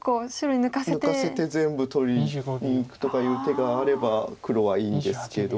抜かせて全部取りにいくとかいう手があれば黒はいいんですけど。